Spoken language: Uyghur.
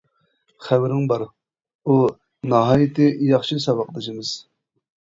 خەۋىرىڭ بار، ئۇ ناھايىتى ياخشى ساۋاقدىشىمىز.